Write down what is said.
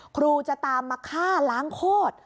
ครูจะตามมาฆ่าล้างโคตร